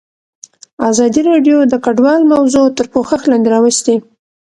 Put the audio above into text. ازادي راډیو د کډوال موضوع تر پوښښ لاندې راوستې.